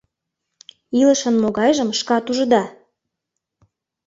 Илышын могайжым шкат ужыда.